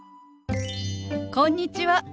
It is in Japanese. こんにちは。